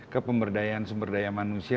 ke pemberdayaan sumber daya manusia